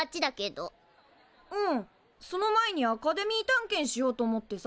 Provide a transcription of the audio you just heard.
うんその前にアカデミー探検しようと思ってさ。